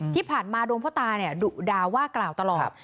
ที่ผ่านมาดวงพ่อตาเนี่ยดุดาว่ากล่าวตลอด